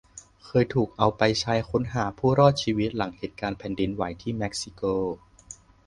เคยถูกเอาไปใช้ค้นหาผู้รอดชีวิตหลังเหตุการณ์แผ่นดินไหวที่เม็กซิโก